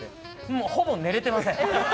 もう、ほぼ寝れてません。